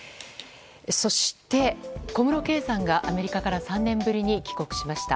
そして、小室圭さんがアメリカから３年ぶりに帰国しました。